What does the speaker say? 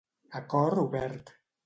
A cor obert.